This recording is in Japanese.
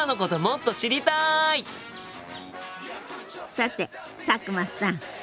さて佐久間さん